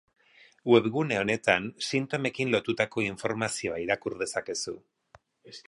Webgune honetan sintomekin lotutatutako informazioa irakur dezakezu.